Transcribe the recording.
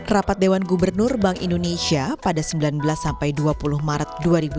rapat dewan gubernur bank indonesia pada sembilan belas sampai dua puluh maret dua ribu dua puluh